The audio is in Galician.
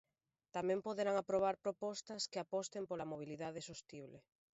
Tamén poderán aprobar propostas que aposten pola mobilidade sostible.